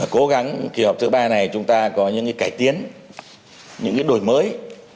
cố gắng kỳ họp thứ ba này chúng ta có những cái cải tiến những cái đổi mới